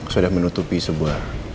sudah menutupi sebuah